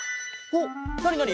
おっ！